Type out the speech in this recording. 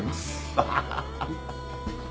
ハハハハ。